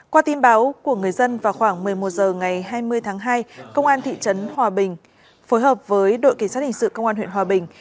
qua tin báo của người dân vào khoảng một mươi một h ngày hai mươi tháng hai công an thị trấn hòa bình phối hợp với đội kỳ sát hình sự công an huyện hòa bình